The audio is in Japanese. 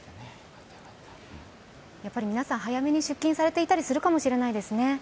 やっぱり皆さん早めに出勤されていたりするかもしれませんね。